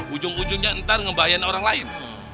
ujung ujungnya ntar ngebahayain orang lain